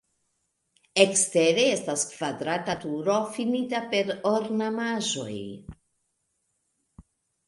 Ekstere estas kvadrata turo finita per ornamaĵoj.